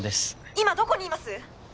「今どこにいます！？」